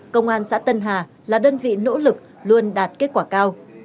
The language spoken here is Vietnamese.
công an xã tân hà là đơn vị nỗ lực luôn đạt kết quả cao